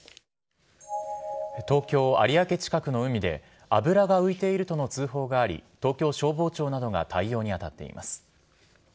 東京・有明近くの海で油が浮いているとの通報があり東京消防庁などが対応に当たっています。